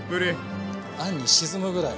あんに沈むぐらい。